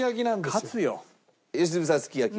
良純さんすき焼き。